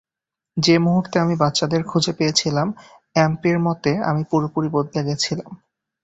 যে মুহুর্তে আমি বাচ্চাদের খুঁজে পেয়েছিলাম, অ্যাম্পের মতে আমি পুরোপুরি বদলে গেছিলাম।